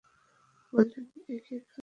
বললেন, এ কী কাণ্ড।